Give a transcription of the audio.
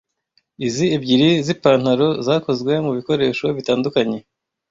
Izi ebyiri zipantaro zakozwe mubikoresho bitandukanye.